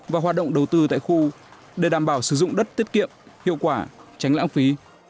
và hoạt động đầu tư tại khu để đảm bảo sử dụng đất tiết kiệm hiệu quả tránh lãng phí